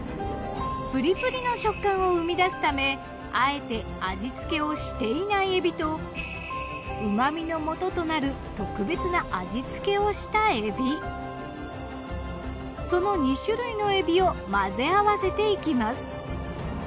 プリプリの食感を生み出すためあえて味付けをしていないエビと旨味のもととなるその２種類のエビを混ぜ合わせていきます。